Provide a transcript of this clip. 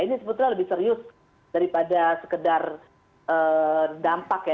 ini sebetulnya lebih serius daripada sekedar dampak ya